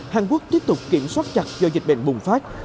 hàn quốc tiếp tục kiểm soát chặt do dịch bệnh bùng phát